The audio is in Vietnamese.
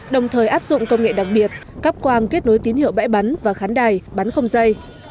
đồng thời áp dụng công nghệ đặc biệt cắp quang kết nối tín hiệu bãi bắn và khán đài bắn không dây